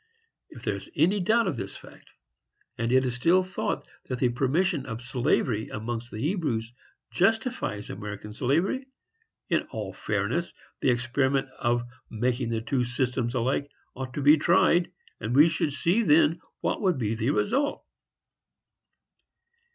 If there is any doubt of this fact, and it is still thought that the permission of slavery among the Hebrews justifies American slavery, in all fairness the experiment of making the two systems alike ought to be tried, and we should then see what would be the result.